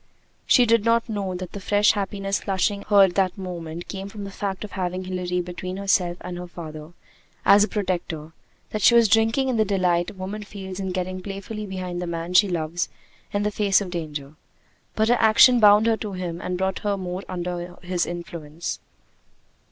She did not know that the fresh happiness flushing her at that moment came from the fact of having Hilary between herself and her father as a protector; that she was drinking in the delight a woman feels in getting playfully behind the man she loves in the face of danger: but her action bound her to him and brought her more under his influence.